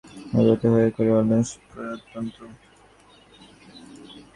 তিনি তার জীবনের অধিকাংশ সময় অতিবাহিত করেন ওলন্দাজ প্রজাতন্ত্রে।